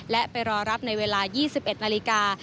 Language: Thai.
และไปรอรับในเวลา๒๑นาฬิกา